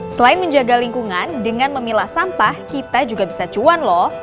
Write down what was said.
selain menjaga lingkungan dengan memilah sampah kita juga bisa cuan loh